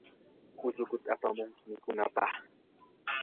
ullukuta apamunki mikunapaq.